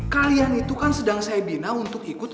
kalian itu kan sedang saya bina untuk ikut